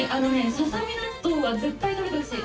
ささみ納豆は絶対食べてほしい。